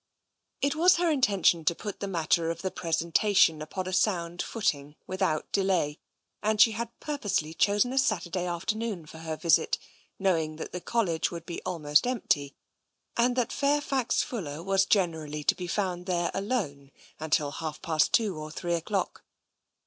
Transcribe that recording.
It was her intention to put the matter of the presenta tion upon a sound footing without delay, and she had purposely chosen a Saturday afternoon for her visit, knowing that the College would be almost empty and that Fairfax Fuller was generally to be found there alone until half past two or three o'clock.